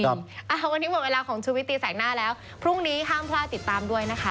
วันนี้หมดเวลาของชุวิตตีแสงหน้าแล้วพรุ่งนี้ห้ามพลาดติดตามด้วยนะคะ